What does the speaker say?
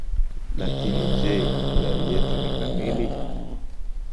Lakini je, hiari yetu ni kamili?